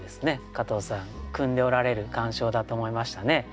加藤さんくんでおられる鑑賞だと思いましたね。